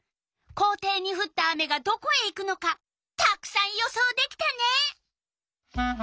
校庭にふった雨がどこへ行くのかたくさん予想できたね！